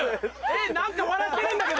何か笑ってるんだけど。